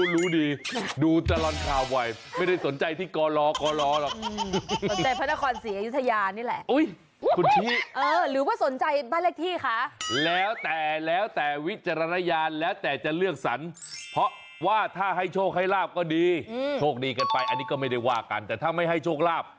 นี่จะให้โชคให้ล่าเปล่า